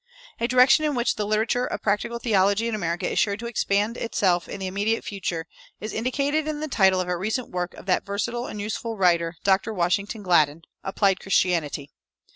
A direction in which the literature of practical theology in America is sure to expand itself in the immediate future is indicated in the title of a recent work of that versatile and useful writer, Dr. Washington Gladden, "Applied Christianity."